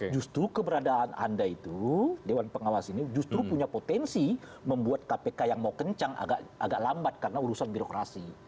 justru keberadaan anda itu dewan pengawas ini justru punya potensi membuat kpk yang mau kencang agak lambat karena urusan birokrasi